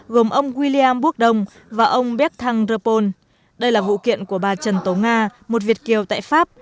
gồm ông william búc đông và ông bertrand rappon đây là vụ kiện của bà trần tố nga một việt kiều tại pháp